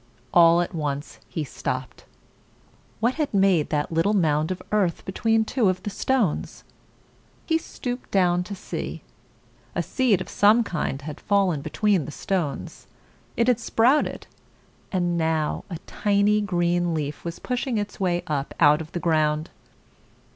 All at once he stopped. What had made that little mound of earth between two of the stones? He stooped down to see. A seed of some kind had fallen between the stones. It had sprouted; and now a tiny green leaf was pushing its way up out of the ground.